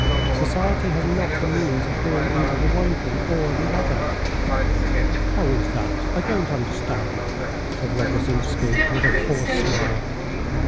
Society has not the means of doing either the one thing or the other." "How is that? I don't understand," said Rogozhinsky with a forced smile.